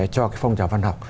cho cái phong trào văn học